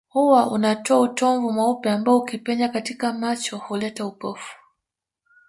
Huwa unatoa utomvu mweupe ambao ukipenya katika macho huleta upofu